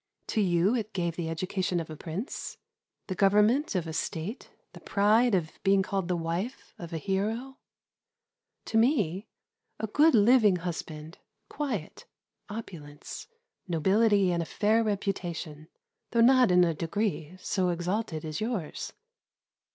To you it gave the education of a prince, the government of a state, the pride of being called the wife of a hero; to me a good living husband, quiet, opulence, nobility, and a fair reputation, though not in a degree so exalted as yours.